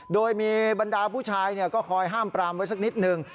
โดยมีบรรดาผู้ชายก็คอยห้ามปรามไว้สักนิดนึง